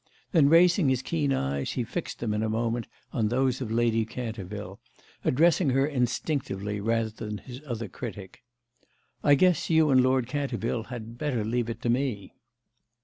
Then raising his keen eyes he fixed them a moment on those of Lady Canterville, addressing her instinctively rather than his other critic. "I guess you and Lord Canterville had better leave it to me!"